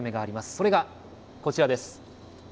それがこちらです。